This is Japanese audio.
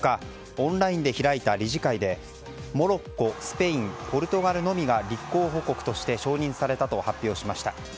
オンラインで開いた理事会でモロッコ、スペインポルトガルのみが立候補国として承認されたと発表しました。